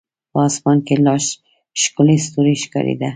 په اسمان کې لا ښکلي ستوري ښکارېده.